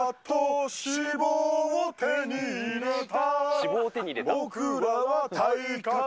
脂肪を手に入れた。